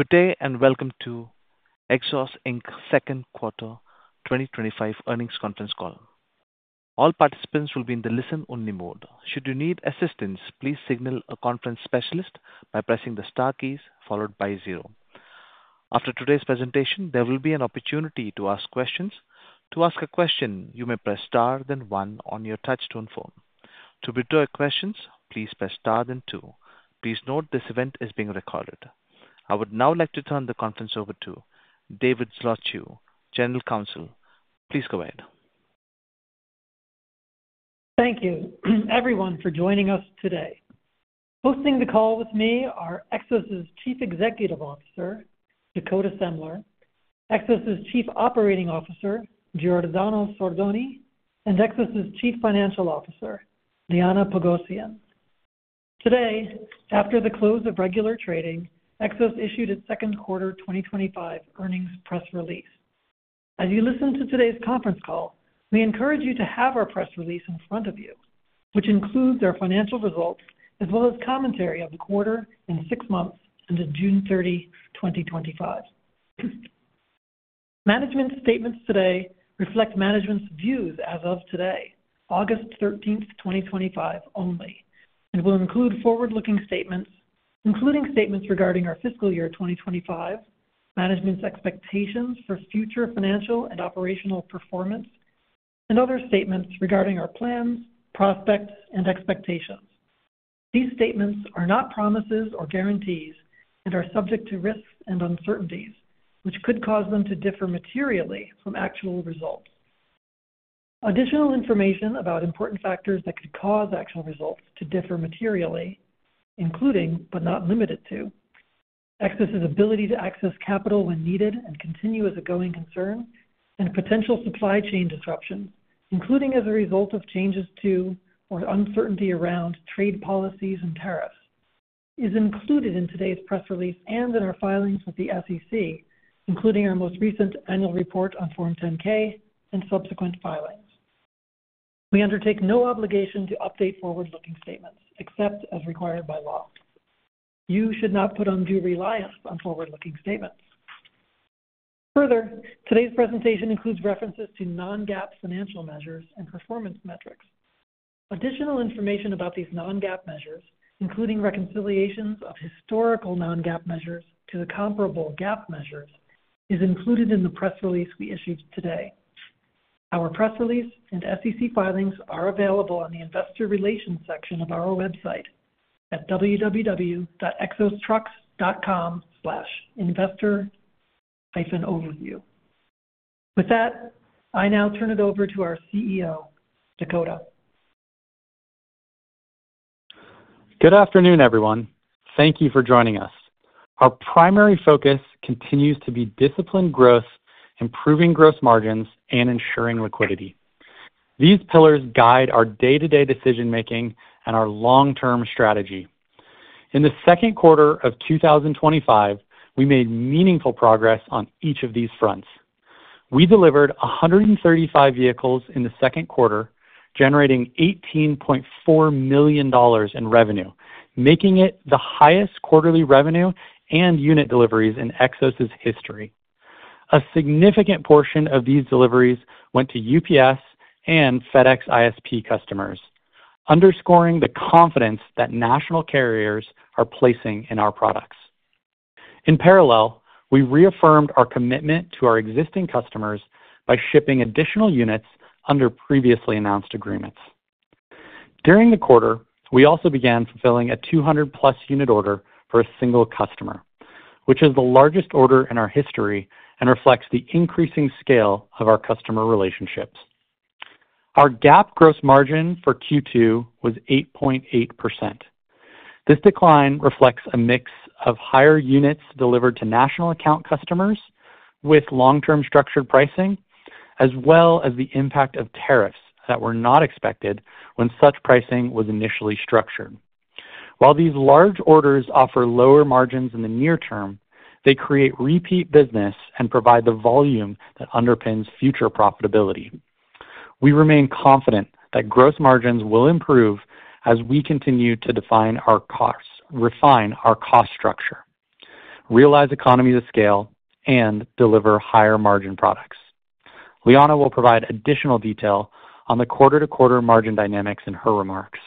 Good day and welcome to Xos, Inc.'s second quarter 2025 earnings conference call. All participants will be in the listen-only mode. Should you need assistance, please signal a conference specialist by pressing the star key followed by zero. After today's presentation, there will be an opportunity to ask questions. To ask a question, you may press star then one on your touch-tone phone. To withdraw questions, please press star then two. Please note this event is being recorded. I would now like to turn the conference over to David Zlotchew, General Counsel. Please go ahead. Thank you, everyone, for joining us today. Hosting the call with me are Xos's Chief Executive Officer, Dakota Semler, Xos's Chief Operating Officer, Giordano Sordoni, and Xos's Chief Financial Officer, Liana Pogosyan. Today, after the close of regular trading, Xos issued its second quarter 2025 earnings press release. As you listen to today's conference call, we encourage you to have our press release in front of you, which includes our financial results as well as commentary of an order in six months and in June 30, 2025. Management's statements today reflect management's views as of today, August 13, 2025 only, and will include forward-looking statements, including statements regarding our fiscal year 2025, management's expectations for future financial and operational performance, and other statements regarding our plans, prospects, and expectations. These statements are not promises or guarantees and are subject to risks and uncertainties, which could cause them to differ materially from actual results. Additional information about important factors that could cause actual results to differ materially, including but not limited to Xos's ability to access capital when needed and continue as a going concern, and potential supply chain disruptions, including as a result of changes to or uncertainty around trade policies and tariffs, is included in today's press release and in our filings with the SEC, including our most recent annual report on Form 10-K and subsequent filings. We undertake no obligation to update forward-looking statements except as required by law. You should not put undue reliance on forward-looking statements. Further, today's presentation includes references to non-GAAP financial measures and performance metrics. Additional information about these non-GAAP measures, including reconciliations of historical non-GAAP measures to the comparable GAAP measures, is included in the press release we issued today. Our press release and SEC filings are available on the Investor Relations section of our website at www.xosdrives.com/investor-overview. With that, I now turn it over to our CEO, Dakota. Good afternoon, everyone. Thank you for joining us. Our primary focus continues to be disciplined growth, improving gross margins, and ensuring liquidity. These pillars guide our day-to-day decision-making and our long-term strategy. In the second quarter of 2025, we made meaningful progress on each of these fronts. We delivered 135 vehicles in the second quarter, generating $18.4 million in revenue, making it the highest quarterly revenue and unit deliveries in Xos's history. A significant portion of these deliveries went to UPS and FedEx ISP customers, underscoring the confidence that national carriers are placing in our products. In parallel, we reaffirmed our commitment to our existing customers by shipping additional units under previously announced agreements. During the quarter, we also began fulfilling a 200+ unit order for a single customer, which is the largest order in our history and reflects the increasing scale of our customer relationships. Our GAAP gross margin for Q2 was 8.8%. This decline reflects a mix of higher units delivered to national account customers with long-term structured pricing, as well as the impact of tariffs that were not expected when such pricing was initially structured. While these large orders offer lower margins in the near term, they create repeat business and provide the volume that underpins future profitability. We remain confident that gross margins will improve as we continue to define our costs, refine our cost structure, realize economies of scale, and deliver higher margin products. Liana will provide additional detail on the quarter-to-quarter margin dynamics in her remarks.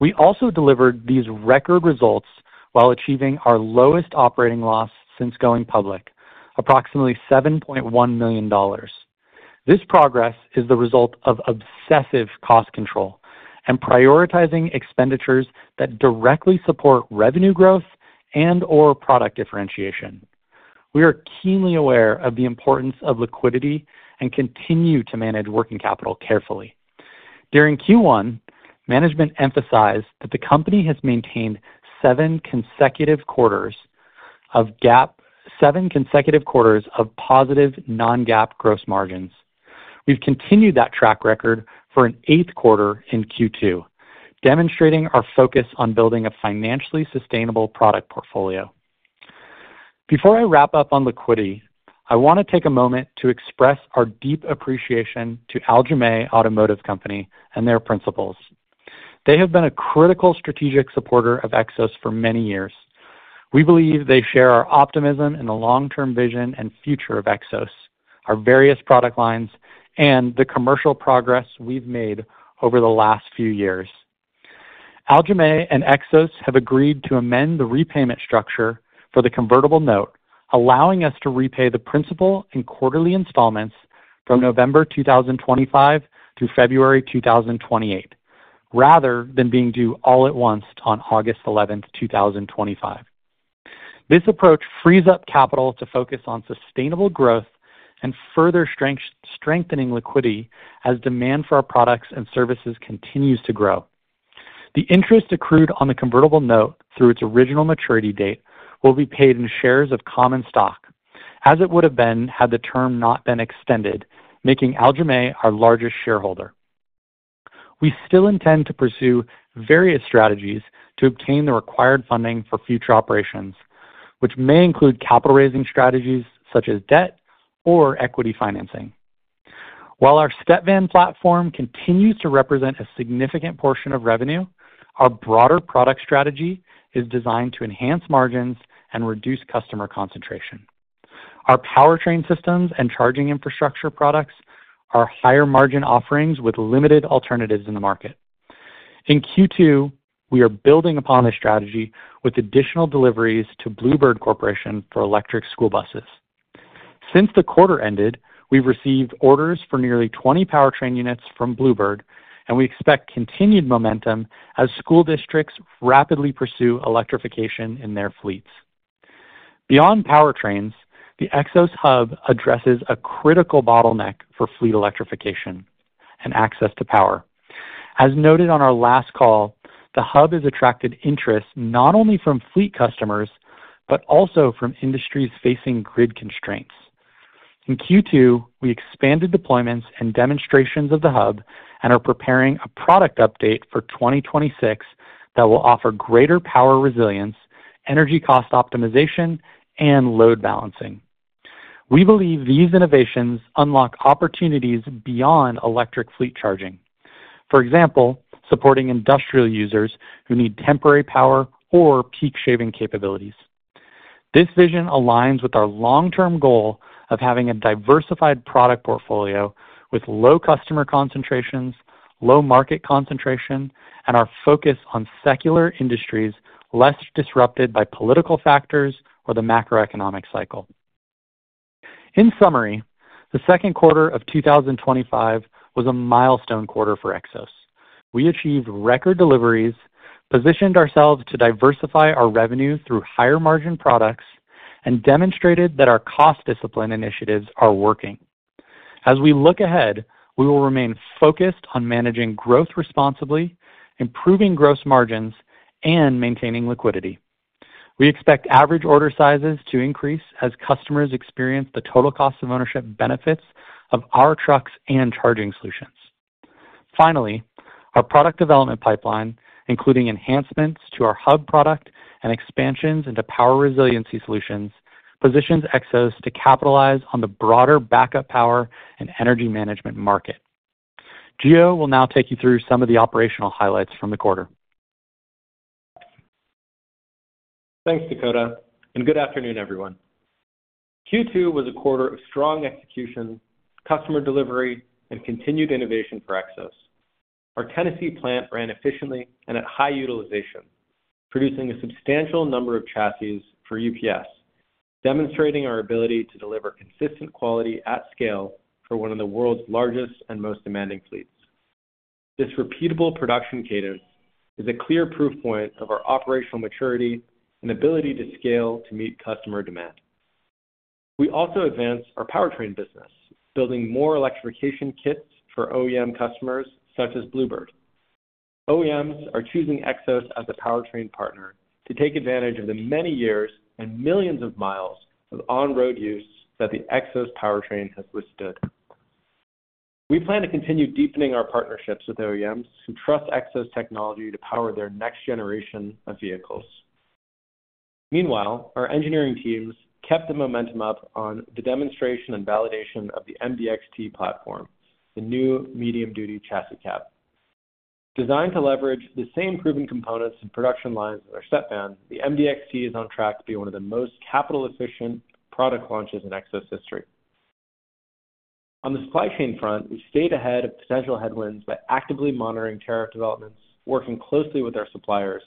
We also delivered these record results while achieving our lowest operating loss since going public, approximately $7.1 million. This progress is the result of obsessive cost control and prioritizing expenditures that directly support revenue growth and/or product differentiation. We are keenly aware of the importance of liquidity and continue to manage working capital carefully. During Q1, management emphasized that the company has maintained seven consecutive quarters of GAAP, seven consecutive quarters of positive non-GAAP gross margins. We've continued that track record for an eighth quarter in Q2, demonstrating our focus on building a financially sustainable product portfolio. Before I wrap up on liquidity, I want to take a moment to express our deep appreciation to Algemet Automotive Company and their principals. They have been a critical strategic supporter of Xos for many years. We believe they share our optimism in the long-term vision and future of Xos, our various product lines, and the commercial progress we've made over the last few years. Algemet and Xos have agreed to amend the repayment structure for the convertible note, allowing us to repay the principal in quarterly installments from November 2025 through February 2028, rather than being due all at once on August 11, 2025. This approach frees up capital to focus on sustainable growth and further strengthening liquidity as demand for our products and services continues to grow. The interest accrued on the convertible note through its original maturity date will be paid in shares of common stock, as it would have been had the term not been extended, making Algemet our largest shareholder. We still intend to pursue various strategies to obtain the required funding for future operations, which may include capital raising strategies such as debt or equity financing. While our StepVan platform continues to represent a significant portion of revenue, our broader product strategy is designed to enhance margins and reduce customer concentration. Our powertrain systems and charging infrastructure products are higher margin offerings with limited alternatives in the market. In Q2, we are building upon this strategy with additional deliveries to Blue Bird Corporation for electric school buses. Since the quarter ended, we've received orders for nearly 20 powertrain units from Blue Bird, and we expect continued momentum as school districts rapidly pursue electrification in their fleets. Beyond powertrains, the Xos Hub addresses a critical bottleneck for fleet electrification and access to power. As noted on our last call, the Hub has attracted interest not only from fleet customers but also from industries facing grid constraints. In Q2, we expanded deployments and demonstrations of the Hub and are preparing a product update for 2026 that will offer greater power resilience, energy cost optimization, and load balancing. We believe these innovations unlock opportunities beyond electric fleet charging, for example, supporting industrial users who need temporary power or peak shaving capabilities. This vision aligns with our long-term goal of having a diversified product portfolio with low customer concentrations, low market concentration, and our focus on secular industries less disrupted by political factors or the macroeconomic cycle. In summary, the second quarter of 2025 was a milestone quarter for Xos. We achieved record deliveries, positioned ourselves to diversify our revenue through higher margin products, and demonstrated that our cost discipline initiatives are working. As we look ahead, we will remain focused on managing growth responsibly, improving gross margins, and maintaining liquidity. We expect average order sizes to increase as customers experience the total cost of ownership benefits of our trucks and charging solutions. Finally, our product development pipeline, including enhancements to our Hub product and expansions into power resiliency solutions, positions Xos to capitalize on the broader backup power and energy management market. Gio will now take you through some of the operational highlights from the quarter. Thanks, Dakota, and good afternoon, everyone. Q2 was a quarter of strong execution, customer delivery, and continued innovation for Xos. Our Tennessee plant ran efficiently and at high utilization, producing a substantial number of chassis for UPS, demonstrating our ability to deliver consistent quality at scale for one of the world's largest and most demanding fleets. This repeatable production cadence is a clear proof point of our operational maturity and ability to scale to meet customer demand. We also advanced our powertrain business, building more electrification kits for OEM customers such as Blue Bird Corporation. OEMs are choosing Xos as a powertrain partner to take advantage of the many years and millions of miles of on-road use that the Xos powertrain has withstood. We plan to continue deepening our partnerships with OEMs who trust Xos technology to power their next generation of vehicles. Meanwhile, our engineering teams kept the momentum up on the demonstration and validation of the MDXT platform, the new medium-duty chassis cab. Designed to leverage the same proven components and production lines as our StepVan, the MDXT is on track to be one of the most capital-efficient product launches in Xos history. On the supply chain front, we've stayed ahead of potential headwinds by actively monitoring tariff developments, working closely with our suppliers,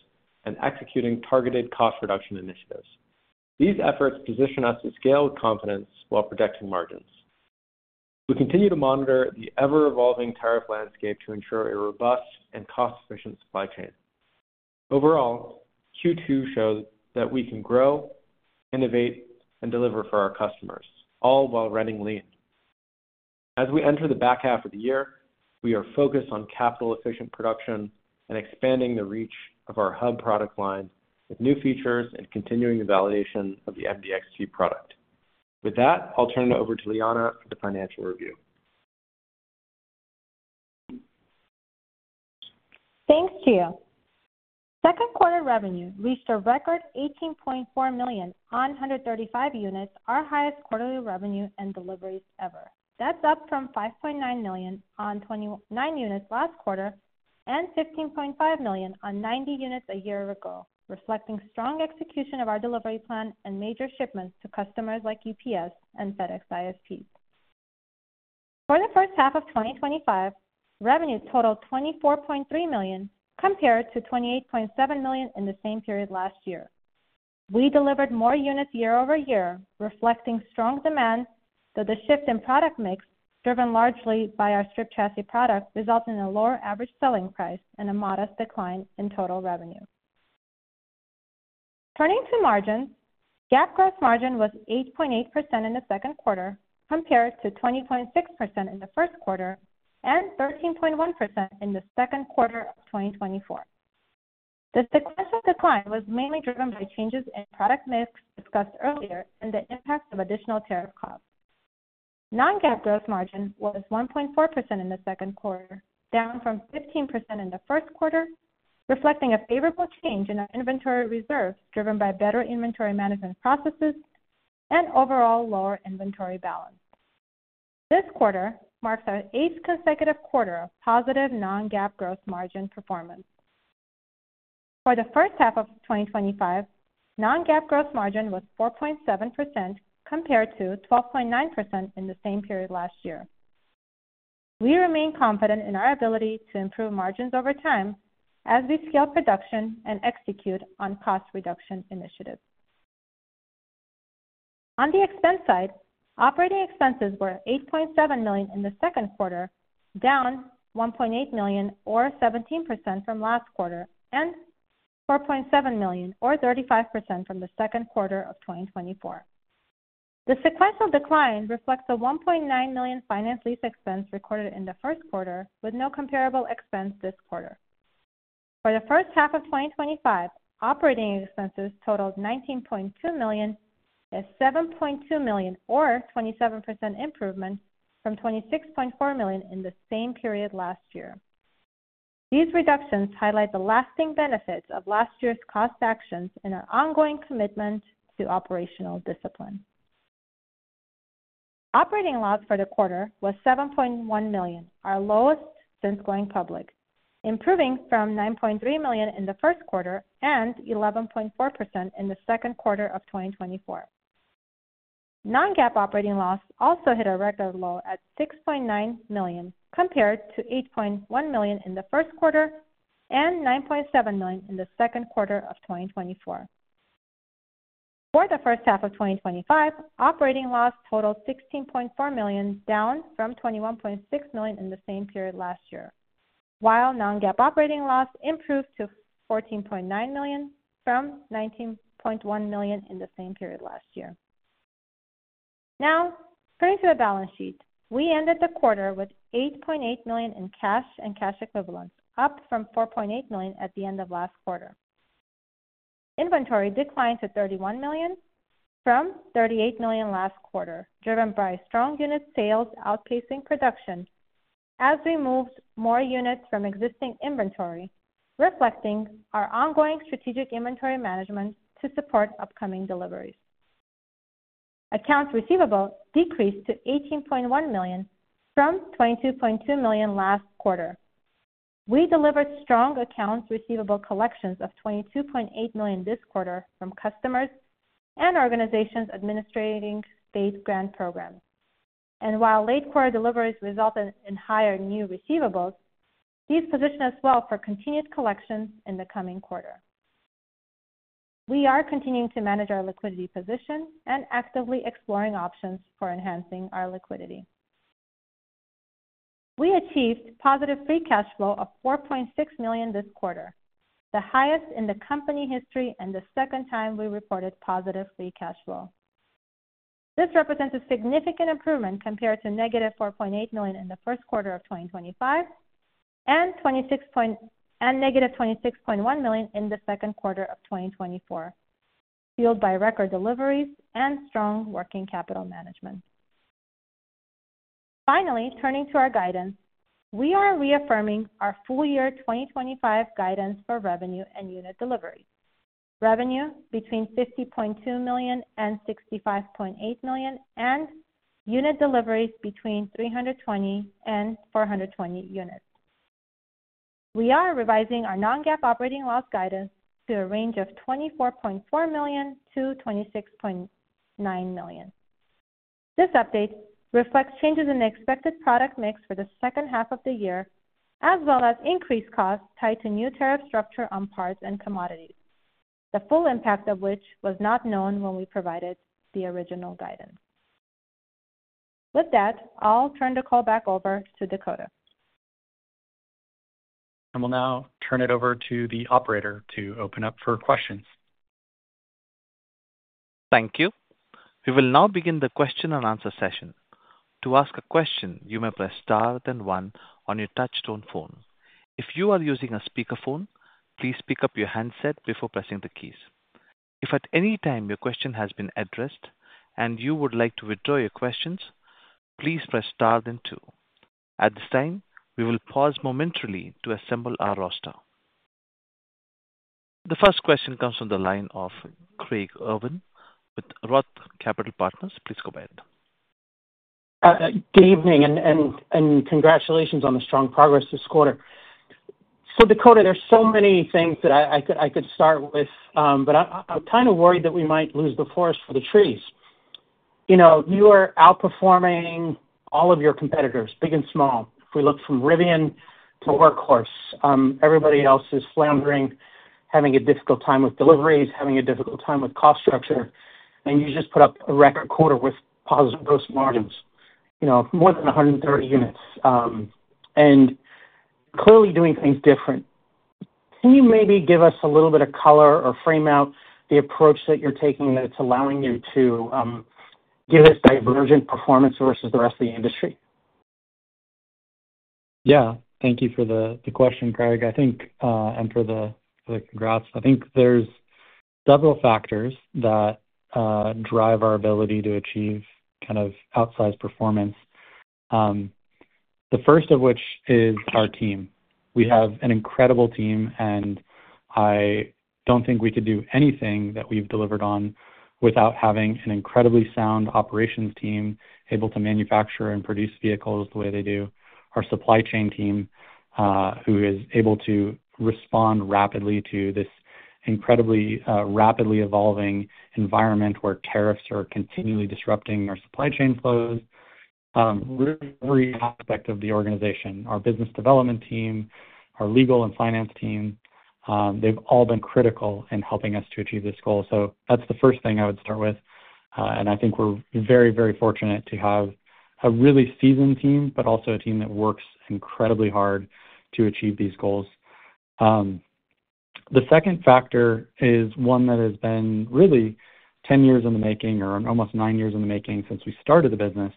and executing targeted cost reduction initiatives. These efforts position us to scale with confidence while protecting margins. We continue to monitor the ever-evolving tariff landscape to ensure a robust and cost-efficient supply chain. Overall, Q2 shows that we can grow, innovate, and deliver for our customers, all while running lean. As we enter the back half of the year, we are focused on capital-efficient production and expanding the reach of our hub product lines with new features and continuing the validation of the MDXT product. With that, I'll turn it over to Liana for the financial review. Thanks, Gio. Second quarter revenue reached a record $18.4 million on 135 units, our highest quarterly revenue and deliveries ever. That's up from $5.9 million on 29 units last quarter and $15.5 million on 90 units a year ago, reflecting strong execution of our delivery plan and major shipments to customers like UPS and FedEx ISP. For the first half of 2025, revenue totaled $24.3 million, compared to $28.7 million in the same period last year. We delivered more units year over year, reflecting strong demand, though the shift in product mix, driven largely by our strip chassis product, resulted in a lower average selling price and a modest decline in total revenue. Turning to margin, GAAP gross margin was 8.8% in the second quarter, compared to 20.6% in the first quarter and 13.1% in the second quarter of 2024. The sequential decline was mainly driven by changes in product mix discussed earlier and the impact of additional tariff costs. Non-GAAP gross margin was 1.4% in the second quarter, down from 15% in the first quarter, reflecting a favorable change in our inventory reserves driven by better inventory management processes and overall lower inventory balance. This quarter marks our eighth consecutive quarter of positive non-GAAP gross margin performance. For the first half of 2025, non-GAAP gross margin was 4.7%, compared to 12.9% in the same period last year. We remain confident in our ability to improve margins over time as we scale production and execute on cost reduction initiatives. On the expense side, operating expenses were $8.7 million in the second quarter, down $1.8 million, or 17%, from last quarter, and $4.7 million, or 35%, from the second quarter of 2024. The sequential decline reflects a $1.9 million finance lease expense recorded in the first quarter, with no comparable expense this quarter. For the first half of 2025, operating expenses totaled $19.2 million, a $7.2 million, or 27%, improvement from $26.4 million in the same period last year. These reductions highlight the lasting benefits of last year's cost actions and our ongoing commitment to operational discipline. Operating loss for the quarter was $7.1 million, our lowest since going public, improving from $9.3 million in the first quarter and $11.4 million in the second quarter of 2024. Non-GAAP operating loss also hit a record low at $6.9 million, compared to $8.1 million in the first quarter and $9.7 million in the second quarter of 2024. For the first half of 2025, operating loss totaled $16.4 million, down from $21.6 million in the same period last year, while non-GAAP operating loss improved to $14.9 million from $19.1 million in the same period last year. Now, turning to the balance sheet, we ended the quarter with $8.8 million in cash and cash equivalents, up from $4.8 million at the end of last quarter. Inventory declined to $31 million from $38 million last quarter, driven by strong unit sales outpacing production, as we moved more units from existing inventory, reflecting our ongoing strategic inventory management to support upcoming deliveries. Accounts receivable decreased to $18.1 million from $22.2 million last quarter. We delivered strong accounts receivable collections of $22.8 million this quarter from customers and organizations administrating state grant programs. While late quarter deliveries resulted in higher new receivables, these position us well for continued collection in the coming quarter. We are continuing to manage our liquidity position and actively exploring options for enhancing our liquidity. We achieved positive free cash flow of $4.6 million this quarter, the highest in the company history and the second time we reported positive free cash flow. This represents a significant improvement compared to negative $4.8 million in the first quarter of 2025 and negative $26.1 million in the second quarter of 2024, fueled by record deliveries and strong working capital management. Finally, turning to our guidance, we are reaffirming our full-year 2025 guidance for revenue and unit delivery. Revenue between $50.2 million and $65.8 million and unit deliveries between 320 and 420 units. We are revising our non-GAAP operating loss guidance to a range of $24.4 million-$26.9 million. This update reflects changes in the expected product mix for the second half of the year, as well as increased costs tied to new tariff structure on parts and commodities, the full impact of which was not known when we provided the original guidance. With that, I'll turn the call back over to Dakota. We will now turn it over to the operator to open up for questions. Thank you. We will now begin the question and answer session. To ask a question, you may press star then one on your touch-tone phone. If you are using a speakerphone, please pick up your handset before pressing the keys. If at any time your question has been addressed and you would like to withdraw your questions, please press star then two. At this time, we will pause momentarily to assemble our roster. The first question comes from the line of Craig Irwin with Roth Capital Partners. Please go ahead. Good evening and congratulations on the strong progress this quarter. Dakota, there are so many things that I could start with, but I'm kind of worried that we might lose the forest for the trees. You know, you are outperforming all of your competitors, big and small. If we look from Rivian to Workhorse, everybody else is floundering, having a difficult time with deliveries, having a difficult time with cost structure, and you just put up a record quarter with positive gross margins, more than 130 units, and clearly doing things different. Can you maybe give us a little bit of color or frame out the approach that you're taking that's allowing you to give this divergent performance versus the rest of the industry? Yeah, thank you for the question, Craig. I think, and for the graphs, I think there's several factors that drive our ability to achieve kind of outsized performance. The first of which is our team. We have an incredible team, and I don't think we could do anything that we've delivered on without having an incredibly sound operations team able to manufacture and produce vehicles the way they do. Our supply chain team, who is able to respond rapidly to this incredibly rapidly evolving environment where tariffs are continually disrupting our supply chain flows, every aspect of the organization, our business development team, our legal and finance team, they've all been critical in helping us to achieve this goal. That's the first thing I would start with. I think we're very, very fortunate to have a really seasoned team, but also a team that works incredibly hard to achieve these goals. The second factor is one that has been really 10 years in the making or almost nine years in the making since we started the business,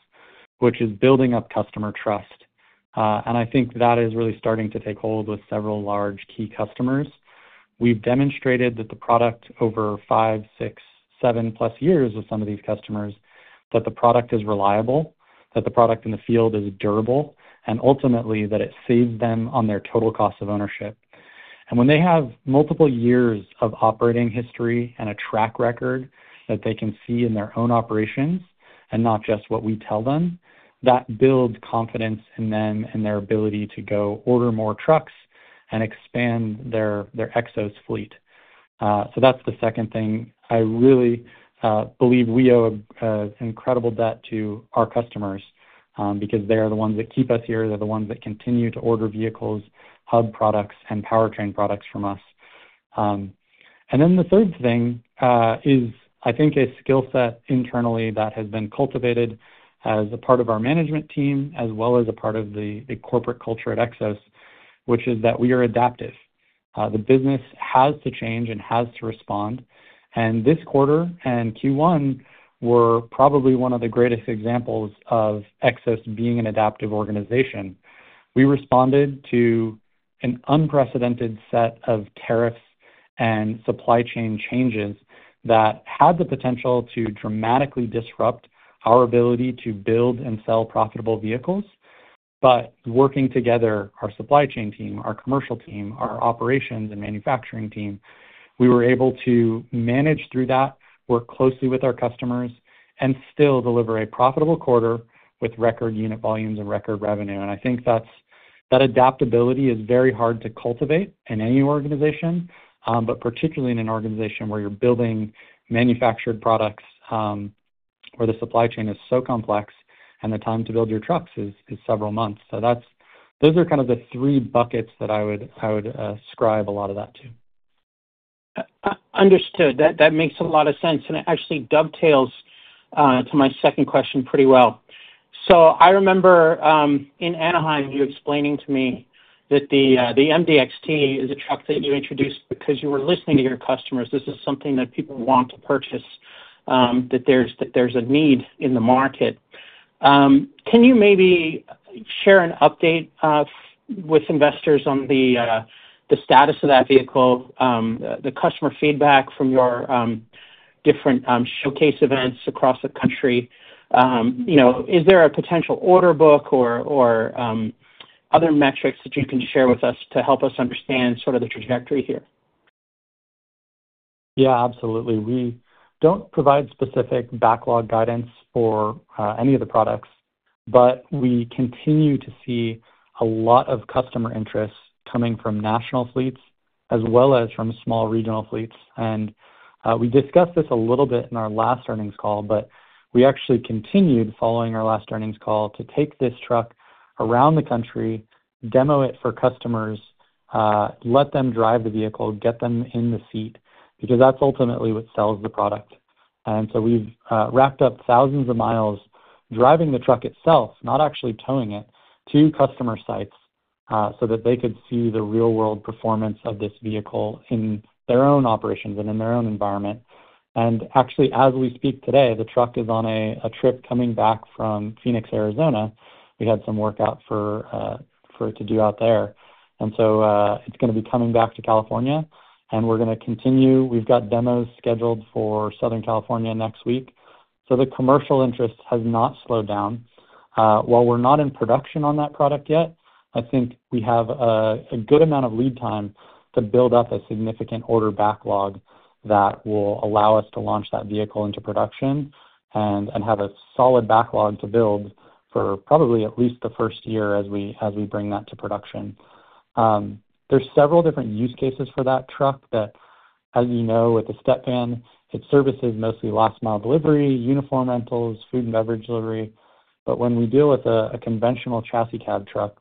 which is building up customer trust. I think that is really starting to take hold with several large key customers. We've demonstrated that the product over five, six, seven plus years with some of these customers, that the product is reliable, that the product in the field is durable, and ultimately that it saves them on their total cost of ownership. When they have multiple years of operating history and a track record that they can see in their own operations and not just what we tell them, that builds confidence in them and their ability to go order more trucks and expand their Xos fleet. That's the second thing. I really believe we owe an incredible debt to our customers because they are the ones that keep us here. They're the ones that continue to order vehicles, hub products, and powertrain products from us. The third thing is, I think, a skill set internally that has been cultivated as a part of our management team, as well as a part of the corporate culture at Xos, which is that we are adaptive. The business has to change and has to respond. This quarter and Q1 were probably one of the greatest examples of Xos being an adaptive organization. We responded to an unprecedented set of tariffs and supply chain changes that had the potential to dramatically disrupt our ability to build and sell profitable vehicles. Working together, our supply chain team, our commercial team, our operations and manufacturing team, we were able to manage through that, work closely with our customers, and still deliver a profitable quarter with record unit volumes and record revenue. I think that adaptability is very hard to cultivate in any organization, particularly in an organization where you're building manufactured products where the supply chain is so complex and the time to build your trucks is several months. Those are kind of the three buckets that I would ascribe a lot of that to. That makes a lot of sense and actually dovetails to my second question pretty well. I remember in Anaheim you explaining to me that the MDXT is a truck that you introduced because you were listening to your customers. This is something that people want to purchase, that there's a need in the market. Can you maybe share an update with investors on the status of that vehicle, the customer feedback from your different showcase events across the country? Is there a potential order book or other metrics that you can share with us to help us understand sort of the trajectory here? Yeah, absolutely. We don't provide specific backlog guidance for any of the products, but we continue to see a lot of customer interest coming from national fleets as well as from small regional fleets. We discussed this a little bit in our last earnings call, but we actually continued following our last earnings call to take this truck around the country, demo it for customers, let them drive the vehicle, get them in the seat because that's ultimately what sells the product. We have racked up thousands of miles driving the truck itself, not actually towing it to customer sites so that they could see the real-world performance of this vehicle in their own operations and in their own environment. Actually, as we speak today, the truck is on a trip coming back from Phoenix, Arizona. We had some work out for it to do out there. It's going to be coming back to California, and we're going to continue. We've got demos scheduled for Southern California next week. The commercial interest has not slowed down. While we're not in production on that product yet, I think we have a good amount of lead time to build up a significant order backlog that will allow us to launch that vehicle into production and have a solid backlog to build for probably at least the first year as we bring that to production. There are several different use cases for that truck that, as you know, with the StepVan, it services mostly last mile delivery, uniform rentals, food and beverage delivery. When we deal with a conventional chassis cab truck,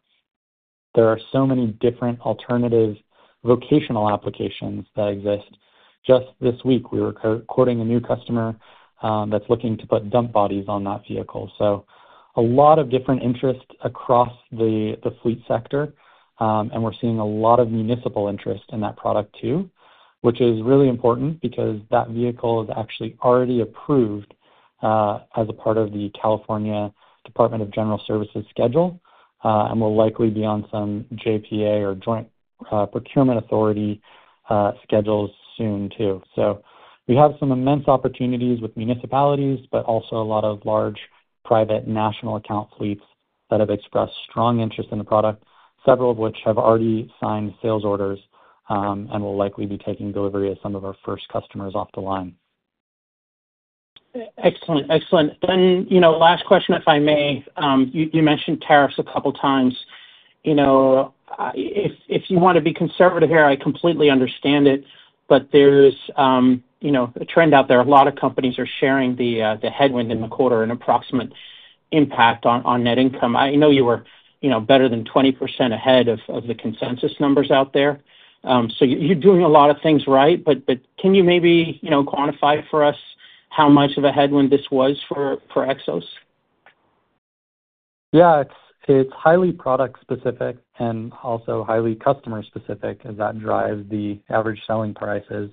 there are so many different alternative vocational applications that exist. Just this week, we were quoting a new customer that's looking to put dump bodies on that vehicle. A lot of different interests across the fleet sector, and we're seeing a lot of municipal interest in that product too, which is really important because that vehicle is actually already approved as a part of the California Department of General Services schedule and will likely be on some JPA or Joint Procurement Authority schedules soon too. We have some immense opportunities with municipalities, but also a lot of large private national account fleets that have expressed strong interest in the product, several of which have already signed sales orders and will likely be taking delivery of some of our first customers off the line. Excellent, excellent. Last question, if I may, you mentioned tariffs a couple of times. If you want to be conservative here, I completely understand it, but there's a trend out there. A lot of companies are sharing the headwind in the quarter and approximate impact on net income. I know you were better than 20% ahead of the consensus numbers out there. You're doing a lot of things right, but can you maybe quantify for us how much of a headwind this was for Xos? Yeah, it's highly product-specific and also highly customer-specific, and that drives the average selling prices.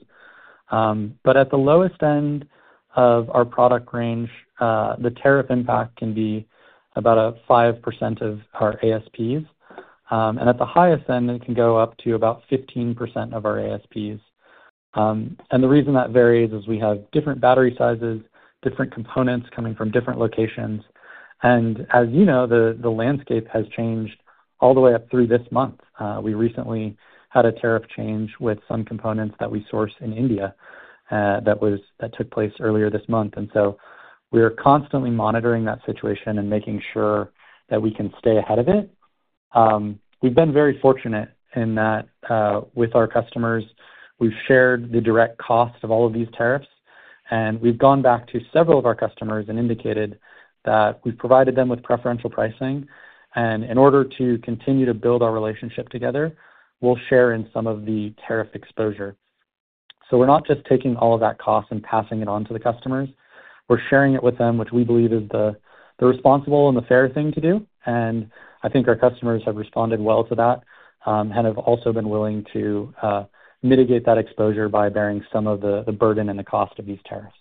At the lowest end of our product range, the tariff impact can be about 5% of our ASPs, and at the highest end, it can go up to about 15% of our ASPs. The reason that varies is we have different battery sizes, different components coming from different locations, and as you know, the landscape has changed all the way up through this month. We recently had a tariff change with some components that we source in India that took place earlier this month, and we're constantly monitoring that situation and making sure that we can stay ahead of it. We've been very fortunate in that with our customers, we've shared the direct cost of all of these tariffs, and we've gone back to several of our customers and indicated that we've provided them with preferential pricing, and in order to continue to build our relationship together, we'll share in some of the tariff exposure. We're not just taking all of that cost and passing it on to the customers. We're sharing it with them, which we believe is the responsible and the fair thing to do, and I think our customers have responded well to that and have also been willing to mitigate that exposure by bearing some of the burden and the cost of these tariffs.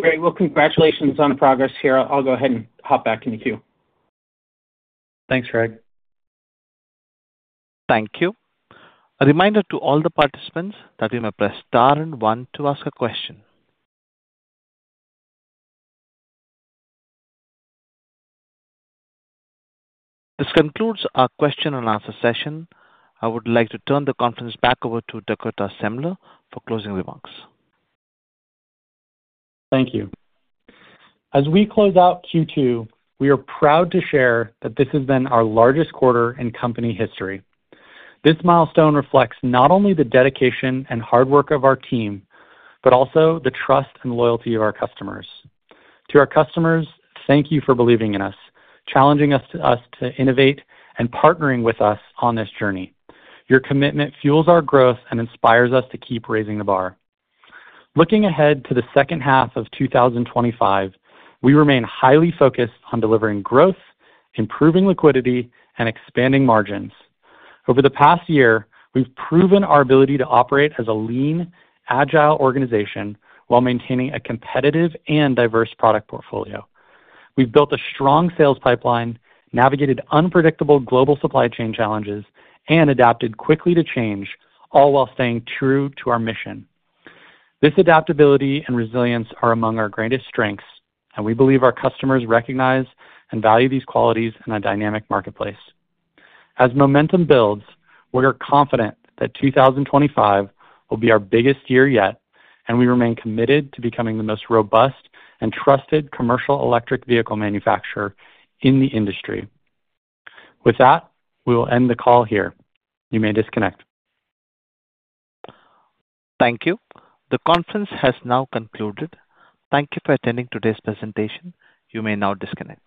Great. Congratulations on progress here. I'll go ahead and hop back in the queue. Thanks, Craig. Thank you. A reminder to all the participants that you may press star and one to ask a question. This concludes our question and answer session. I would like to turn the conference back over to Dakota Semler for closing remarks. Thank you. As we close out Q2, we are proud to share that this has been our largest quarter in company history. This milestone reflects not only the dedication and hard work of our team, but also the trust and loyalty of our customers. To our customers, thank you for believing in us, challenging us to innovate, and partnering with us on this journey. Your commitment fuels our growth and inspires us to keep raising the bar. Looking ahead to the second half of 2025, we remain highly focused on delivering growth, improving liquidity, and expanding margins. Over the past year, we've proven our ability to operate as a lean, agile organization while maintaining a competitive and diverse product portfolio. We've built a strong sales pipeline, navigated unpredictable global supply chain challenges, and adapted quickly to change, all while staying true to our mission. This adaptability and resilience are among our greatest strengths, and we believe our customers recognize and value these qualities in a dynamic marketplace. As momentum builds, we are confident that 2025 will be our biggest year yet, and we remain committed to becoming the most robust and trusted commercial electric vehicle manufacturer in the industry. With that, we will end the call here. You may disconnect. Thank you. The conference has now concluded. Thank you for attending today's presentation. You may now disconnect.